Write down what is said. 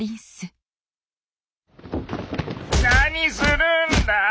何するんだ。